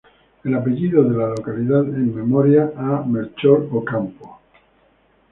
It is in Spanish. El apellido de la localidad en memoria a Melchor Ocampo.